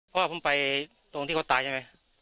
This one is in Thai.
เพราะว่าผมไปตรงที่เขาตายใช่ไหม